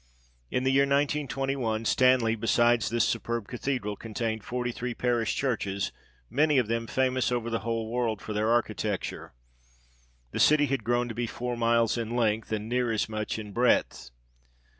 In the year 1921, Stanley, besides this superb cathedral, contained forty three parish churches, many of them famous over the whole world for their architecture. The city had grown to be four miles in length, and near as much in breadth.